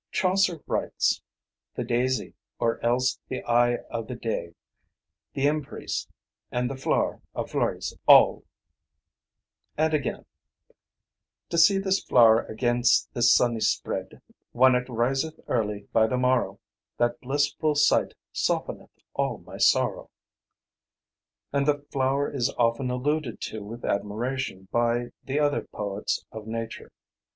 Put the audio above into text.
Chaucer writes— "The daisie, or els the eye of the daie, The emprise, and the floure of flouris alle"; and again— "To seen this floure agenst the sunne sprede Whan it riseth early by the morrow, That blissful sight softeneth all my sorrow"; and the flower is often alluded to with admiration by the other poets of nature.